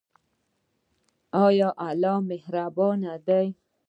آیا الله مهربان دی؟